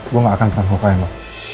gue gak akan akan melukain lo